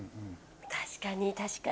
確かに確かに。